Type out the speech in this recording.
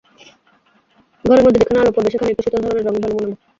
ঘরের মধ্যে যেখানে আলো পড়বে, সেখানে একটু শীতল ধরনের রংই ভালো মানাবে।